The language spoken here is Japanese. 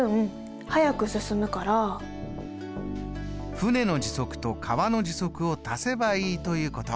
舟の時速と川の時速を足せばいいということ。